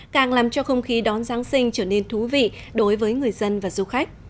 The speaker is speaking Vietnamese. càng làm cho không khí đón giáng sinh trở nên thú vị đối với người dân và du khách